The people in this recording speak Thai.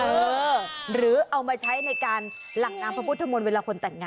เออหรือเอามาใช้ในการหลั่งน้ำพระพุทธมนต์เวลาคนแต่งงาน